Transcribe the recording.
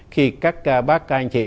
khi các bác ca anh chị